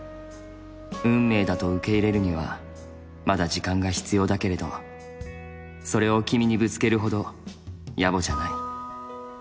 運命だと受け入れるにはまだ時間が必要だけれどそれを君にぶつけるほどやぼじゃない。